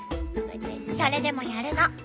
それでもやるの！